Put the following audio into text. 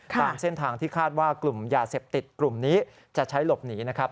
ตามเส้นทางที่คาดว่ากลุ่มยาเสพติดกลุ่มนี้จะใช้หลบหนีนะครับ